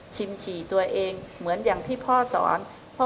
ฉี่ตัวเองเหมือนอย่างที่พ่อสอน